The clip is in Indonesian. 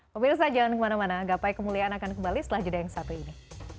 pemirsa jangan kemana mana gapai kemuliaan akan kembali setelah jeda yang satu ini